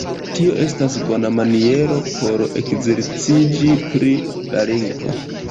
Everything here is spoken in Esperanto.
Tio estas bona maniero por ekzerciĝi pri la lingvo.